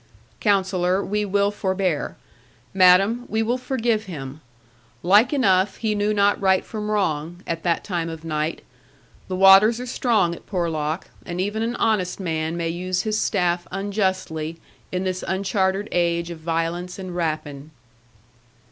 'Counsellor, we will forbear. Madam, we will forgive him. Like enough he knew not right from wrong, at that time of night. The waters are strong at Porlock, and even an honest man may use his staff unjustly in this unchartered age of violence and rapine.'